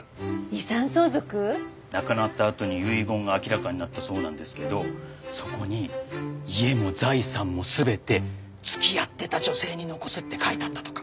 亡くなったあとに遺言が明らかになったそうなんですけどそこに家も財産も全て付き合ってた女性に残すって書いてあったとか。